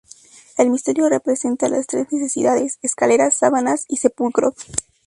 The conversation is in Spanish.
El misterio representa las Tres Necesidades –escaleras, sábanas y sepulcro-.